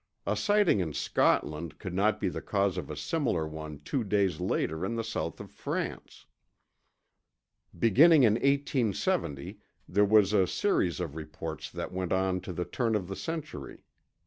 A sighting in Scotland could not be the cause of a similar one two days later in the south of France. Beginning in 870, there was a series of reports that went on to the turn of the century.